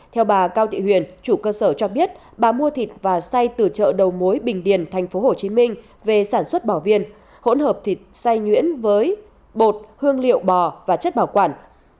theo bà cao thị huyền chủ cơ sở cho biết bà mua thịt và say từ chợ đầu mối bình điền tp hcm về sản xuất bò viên hỗn hợp thịt say nhuyễn với bột hương liệu bò và chất bảo quản